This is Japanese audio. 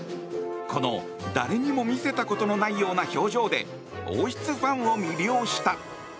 この、誰にも見せたことのないような表情で王室ファンを魅了した。